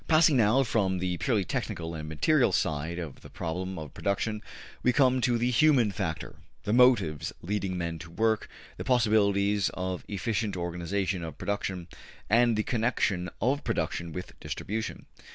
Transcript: Passing now from the purely technical and material side of the problem of production, we come to the human factor, the motives leading men to work, the possibilities of efficient organization of production, and the connection of production with distribution.